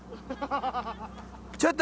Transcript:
ちょっと。